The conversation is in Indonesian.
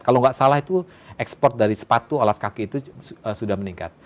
kalau nggak salah itu ekspor dari sepatu alas kaki itu sudah meningkat